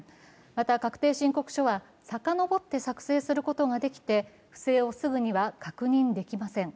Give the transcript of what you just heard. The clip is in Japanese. また確定申告書はさかのぼって作成することがでいて不正をすぐには確認できません。